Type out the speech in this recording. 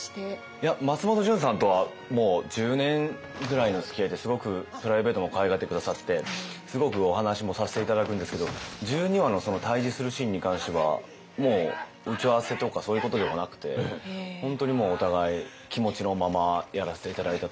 いや松本潤さんとはもう１０年ぐらいのつきあいですごくプライベートもかわいがって下さってすごくお話もさせて頂くんですけど１２話の対峙するシーンに関してはもう打ち合わせとかそういうことではなくて本当にもうお互い気持ちのままやらせて頂いたというか。